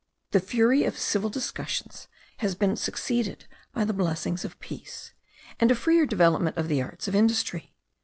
The fury of civil discussions has been succeeded by the blessings of peace, and a freer development of the arts of industry.